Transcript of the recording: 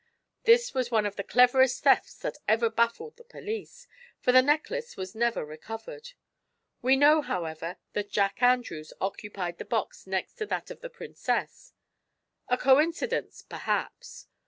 This was one of the cleverest thefts that ever baffled the police, for the necklace was never recovered. We know, however, that Jack Andrews occupied the box next to that of the princess. A coincidence perhaps.